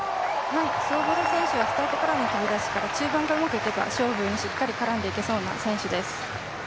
スウォボダ選手はスタートからの飛び出しから中盤がうまくいけば勝負にしっかり絡んでいけそうな選手です。